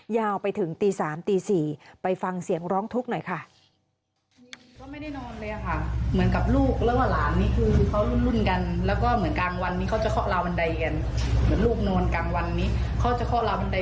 ยาวไปถึงตี๓ตี๔ไปฟังเสียงร้องทุกข์หน่อยค่ะ